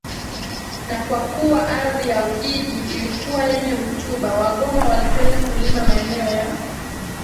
Na kwa kuwa ardhi ya Ujiji ilikuwa yenye rutuba Wagoma walipenda kulima maeneo ya